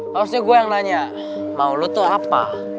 harusnya gue yang nanya mau lo tuh apa